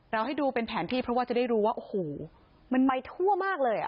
เราให้ดูเป็นแผนที่เพราะว่ามันมาหมายถั่วมากเลย